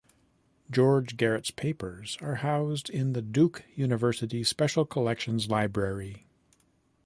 George Garrett's papers are housed in the Duke University Special Collections Library.